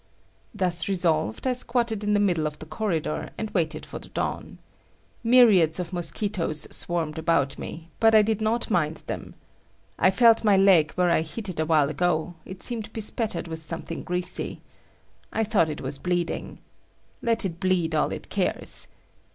Thus resolved, I squatted in the middle of the corridor and waited for the dawn. Myriads of mosquitoes swarmed about me, but I did not mind them. I felt my leg where I hit it a while ago; it seemed bespattered with something greasy. I thought it was bleeding. Let it bleed all it cares!